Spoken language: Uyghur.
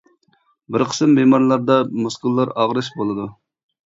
بىر قىسىم بىمارلاردا مۇسكۇللار ئاغرىش بولىدۇ.